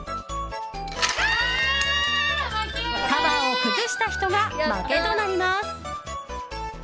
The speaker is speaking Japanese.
タワーを崩した人が負けとなります。